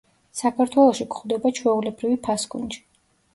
საქართველოში გვხვდება ჩვეულებრივი ფასკუნჯი.